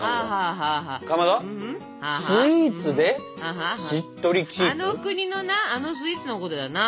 あの国のなあのスイーツのことだな。